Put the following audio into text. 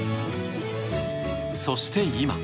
そして今。